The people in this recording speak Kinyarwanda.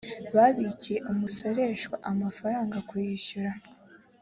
babikiye umusoreshwa amafaranga kuwishyura